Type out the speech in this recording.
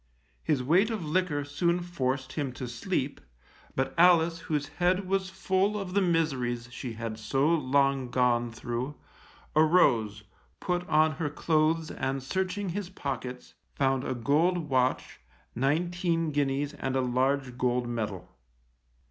His weight of liquor soon forced him to sleep, but Alice, whose head was full of the miseries she had so long gone through, arose, put on her clothes and searching his pockets, found a gold watch, nineteen guineas and a large gold medal.